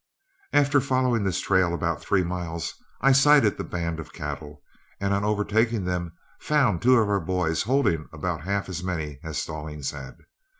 After following this trail about three miles, I sighted the band of cattle, and on overtaking them, found two of our boys holding about half as many as Stallings had.